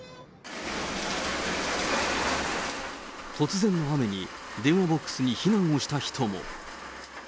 突然の雨に、電話ボックスに避難をした人も。